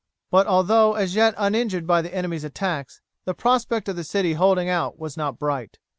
But although as yet uninjured by the enemy's attacks, the prospect of the city holding out was not bright.